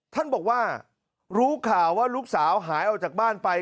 ท่านบอกว่ารู้ข่าวว่าลูกสาวหายออกจากบ้านไป